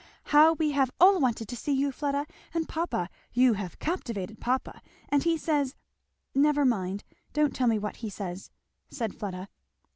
How we have all wanted to see you, Fleda! and papa; you have captivated papa; and he says " "Never mind don't tell me what he says," said Fleda.